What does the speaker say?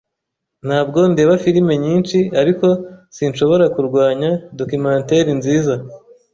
Ntabwo ndeba firime nyinshi, ariko sinshobora kurwanya documentaire nziza.